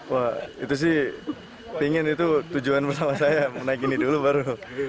wah itu sih ingin itu tujuan bersama saya menaik ini dulu baru